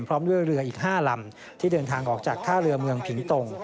พร้อมด้วยเรืออีก๕ลำที่เดินทางออกจากท่าเรือเมืองผิงตรง